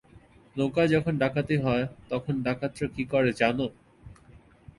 নৌকায় যখন ডাকাতি হয়, তখন ডাকাতরা কী করে, জান?